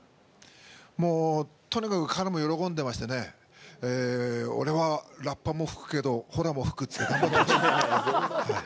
とにかく彼も喜んでまして俺は、ラッパも吹くけどホラも吹くって。